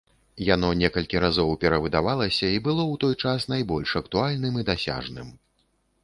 Яно некалькі разоў перавыдавалася і было ў той час найбольш актуальным і дасяжным.